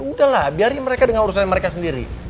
udah lah biarin mereka dengan urusan mereka sendiri